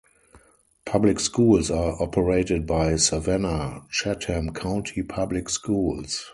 Public schools are operated by Savannah-Chatham County Public Schools.